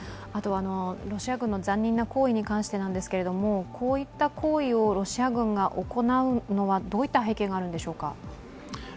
ロシア軍の残忍な行為にかんしてなんですけどこういった行為をロシア軍が行うのはどういった背景があるんでしょうか？